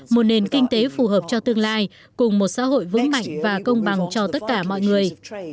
một nền kinh tế phù hợp cho tương lai cùng một xã hội vững mạnh và công bằng cho tất cả mọi người